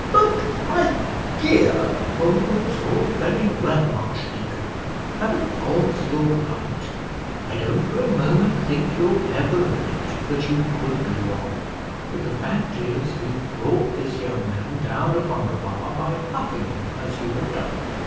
"But, my dear " "Oh, it's all very well, archdeacon; and of course you're right; I don't for a moment think you'll ever admit that you could be wrong; but the fact is, you've brought this young man down upon papa by huffing him as you have done."